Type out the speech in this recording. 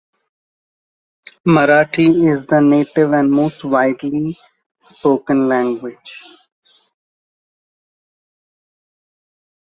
Marathi is the native and most widely spoken language.